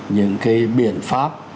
những cái biện pháp